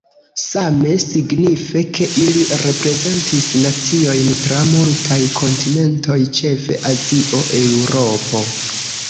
Same signife, ke ili reprezentis naciojn tra multaj kontinentoj, ĉefe Azio, Eŭropo.